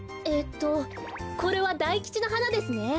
えっとこれは大吉の花ですね。